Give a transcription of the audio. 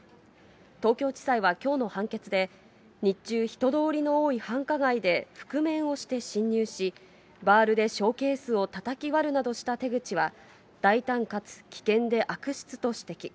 東京地裁はきょうの判決で、日中人通りの多い繁華街で覆面をして侵入し、バールでショーケースをたたき割るなどした手口は大胆かつ危険で悪質と指摘。